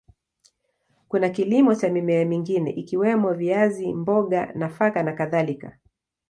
Kuna kilimo cha mimea mingine ikiwemo viazi, mboga, nafaka na kadhalika.